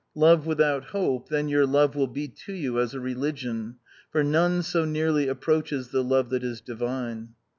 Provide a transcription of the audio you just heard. Love without hope, then your love will be to you as a religion, for none so nearly approaches the love that is divine."